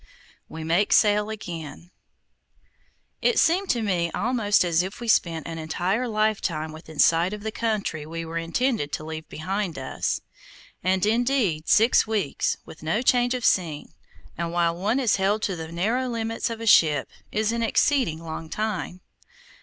WE MAKE SAIL AGAIN It seemed to me almost as if we spent an entire lifetime within sight of the country we were minded to leave behind us, and indeed six weeks, with no change of scene, and while one is held to the narrow limits of a ship, is an exceeding long time.